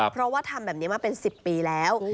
เพราะว่าทำแบบนี้มาเป็น๑๐ปีแล้ว